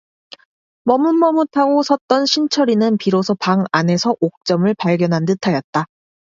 머뭇머뭇하고 섰던 신철이는 비로소 방 안에서 옥점을 발견한 듯하였다.